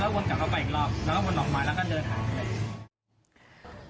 วนกลับเข้าไปอีกรอบแล้วก็วนออกมาแล้วก็เดินหายไปเลย